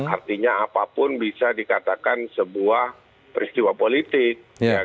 artinya apapun bisa dikatakan sebuah peristiwa politik